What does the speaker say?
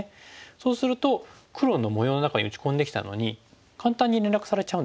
そうすると黒の模様の中に打ち込んできたのに簡単に連絡されちゃうんですよね。